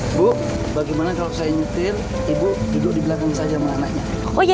ibu bagaimana kalau saya nyetir ibu hidup di belakang saja sama anaknya